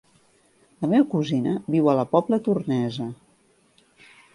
La meva cosina viu a la Pobla Tornesa.